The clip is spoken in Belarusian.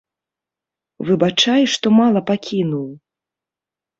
Выбачай, што мала пакінуў!